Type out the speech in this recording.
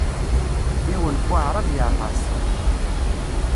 Yiwen n waɛrab yeɛmeṛ ssuq.